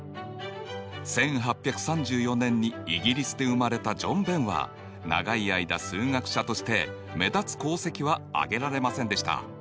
１８３４年にイギリスで生まれたジョン・ベンは長い間数学者として目立つ功績はあげられませんでした。